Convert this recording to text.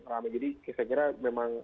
rame jadi saya kira memang